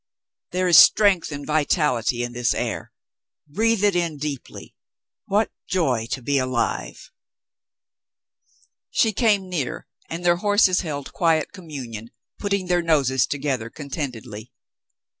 There is strength and vitality in this air ; breathe it in deeply. ^ATiat joy to be alive !" She came near, and their horses held quiet commamion, putting their noses together contentedly.